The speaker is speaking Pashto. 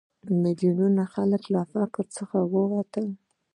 میلیونونه خلک له فقر څخه ووتل.